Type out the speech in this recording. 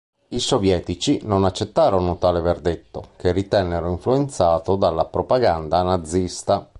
I Sovietici non accettarono tale verdetto che ritennero influenzato dalla propaganda nazista.